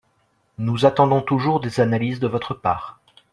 Nous attendons toujours des analyses de votre part